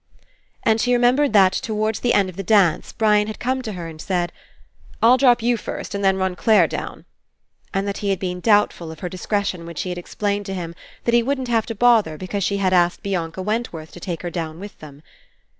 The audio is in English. And she remembered that towards the end of the dance Brian had come to her and said: "I'll drop you first and then run Clare down." And that he had been doubtful of her discretion when she had explained to him that he wouldn't have to bother because she had asked Bianca Wentworth to take her down with them.